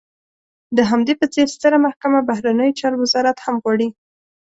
د همدې په څېر ستره محکمه، بهرنیو چارو وزارت هم غواړي.